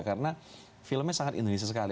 karena filmnya sangat indonesia sekali